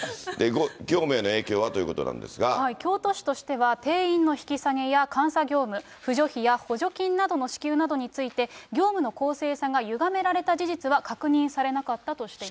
業務への影響はということなんで京都市としては、定員の引き下げや監査業務、扶助費や補助金などの支給などについて、業務の公正さがゆがめられた事実は確認されなかったとしています。